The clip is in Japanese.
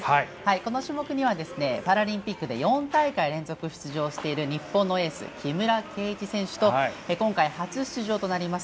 この種目にはパラリンピックで４大会連続出場している日本のエース、木村敬一選手と今回初出場となります